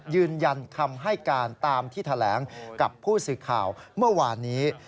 ยืนยันคำให้การตามที่แถลงกับผู้สื่อข่าวเมื่อวานนี้